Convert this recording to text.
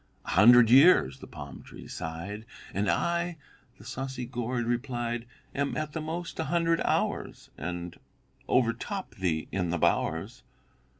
"A hundred years," the palm tree sighed. "And I," the saucy gourd replied, "Am at the most a hundred hours, And overtop thee in the bowers."